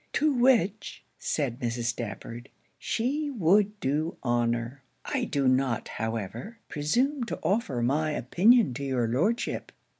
'To which,' said Mrs. Stafford, 'she would do honour. I do not, however, presume to offer my opinion to your Lordship.